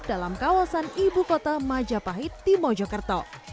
dalam kawasan ibukota majapahit di mojokerto